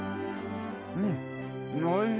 うんおいしい！